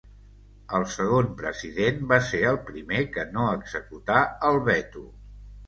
El segon president va ser el primer que no executar el veto.